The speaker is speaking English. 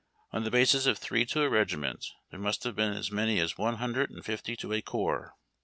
On the basis of three to a regiment, there must have been as many as one hundred and fifty to a corps.